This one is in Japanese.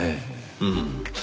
うん。